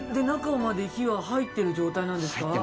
中まで火は入ってる状態なんですか？